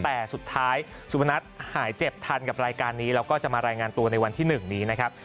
แต่สุดท้ายสุพนัทหายเจ็บทันกับรายการนี้แล้วก็จะมารายงานตัวในวันที่๑นี้นะครับ